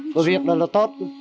có việc đó là tốt